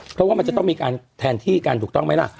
เพราะว่ามันจะต้องมีการแทนที่กันถูกต้องไหมล่ะ